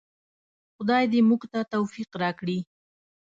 خدای دې موږ ته توفیق راکړي